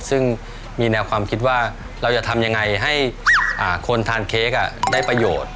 ซึ่งมีแนวความคิดว่าเราจะทำยังไงให้คนทานเค้กได้ประโยชน์